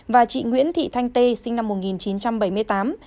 và chị nguyễn thị thanh tê sinh năm một nghìn chín trăm bảy mươi tám